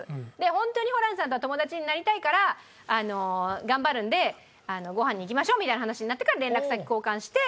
「本当にホランさんとは友達になりたいから頑張るんでごはんに行きましょう」みたいな話になってから連絡先交換して。